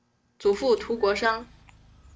祖父涂国升。